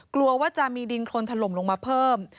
กลัวว่าจะมีดินคนถล่มลงมาเพิ่ม